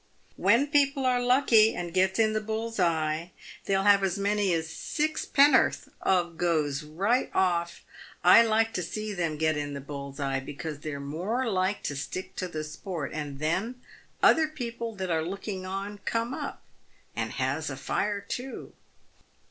" "When people are lucky, and gets in the bull's eye, they'll have as many as sixpen'orth of goes right off. I like to see them get in the bull's eye, because they're more like to stick to the sport, and, then, other people that are looking on come up, and has a fire too."